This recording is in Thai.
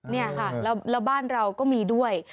นี่ค่ะแล้วบ้านเราก็มีด้วย